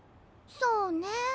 そうね。